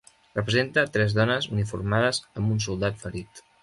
Representa tres dones uniformades amb un soldat ferit.